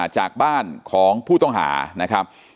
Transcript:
จากบ้านของผู้ต้องหานะครับ